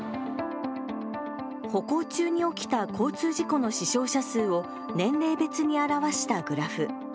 歩行中に起きた交通事故の死傷者数を年齢別に表したグラフ。